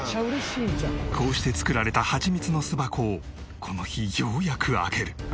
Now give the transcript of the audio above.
こうして作られたハチミツの巣箱をこの日ようやく開ける。